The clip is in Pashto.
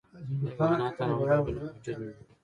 د حیواناتو او نباتاتو ډولونه موجود نه وو.